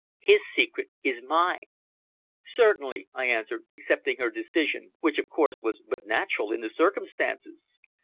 His secret is mine." "Certainly," I answered, accepting her decision, which, of course, was but natural in the circumstances.